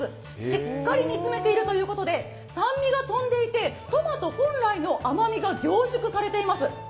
しっかり煮詰めているということで酸味が飛んでいてトマト本来の甘みが凝縮されています。